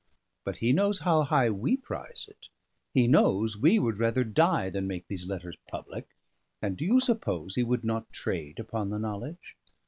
But he knows how high we prize it; he knows we would rather die than make these letters public; and do you suppose he would not trade upon the knowledge?